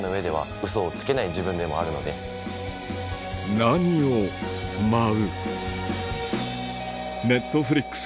何を舞う？